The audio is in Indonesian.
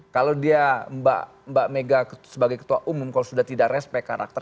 kalau dia mbak mega sebagai ketua umum kalau sudah tidak respect karakter